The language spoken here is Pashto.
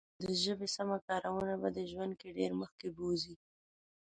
د ژبې سمه کارونه به دې ژوند کې ډېر مخکې بوزي.